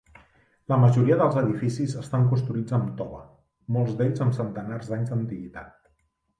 La majoria dels edificis estan construïts amb tova, molts d'ells amb centenars d'anys d'antiguitat.